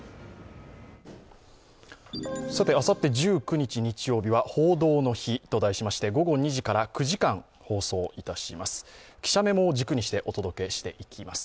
あさって１９日日曜日は「報道の日」と題しまして午後２時から９時間放送いたします。